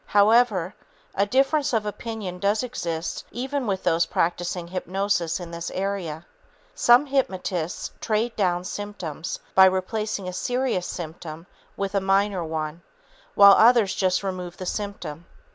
However, a difference of opinion does exist even with those practicing hypnosis in this area. Some hypnotists "trade down" symptoms by replacing a serious symptom with a minor one, while others just remove the symptom.